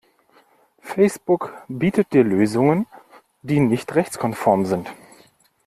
Facebook bietet dir Lösungen die nicht rechtskonform sind.